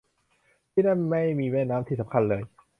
ที่นั่นไม่มีแม่น้ำที่สำคัญเลย